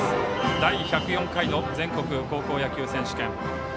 第１０４回の全国高校野球選手権。